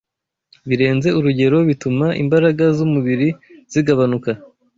birenze urugero bituma imbaraga z’umubiri zigabanuka